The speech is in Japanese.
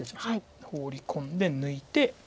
ホウリ込んで抜いて。